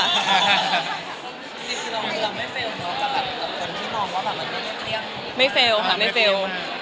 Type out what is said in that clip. คิดดูนอมคิดว่าไม่เฟลไม่เฟลอน่ะ